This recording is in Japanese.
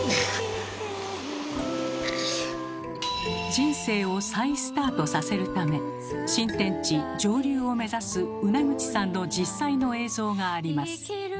人生を再スタートさせるため新天地上流を目指すウナグチさんの実際の映像があります。